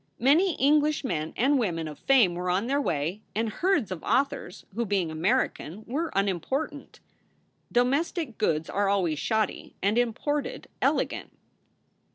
Many English men and women of fame were on their way, and herds of authors who, being American, were unimportant. Domestic goods are always shoddy, and imported elegant.